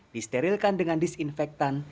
disterilkan dengan disinfektan